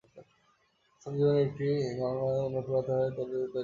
বাস্তব জীবনের একটি ঘটনা থেকে অনুপ্রাণিত হয়ে চরিত্রটি তৈরি করা হয়েছে।